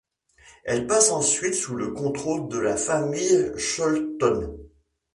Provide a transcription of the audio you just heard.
Elle passe ensuite sous le contrôle de la famille Sholton.